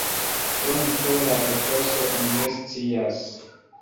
Krom pro la etoso, mi ne scias.